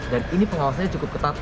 dan ini pengawasannya cukup ketat